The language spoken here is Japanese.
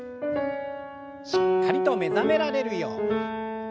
しっかりと目覚められるように。